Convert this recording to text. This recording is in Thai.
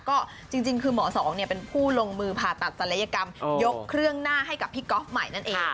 ก็จริงคือหมอสองเป็นผู้ลงมือผ่าตัดศัลยกรรมยกเครื่องหน้าให้กับพี่ก๊อฟใหม่นั่นเอง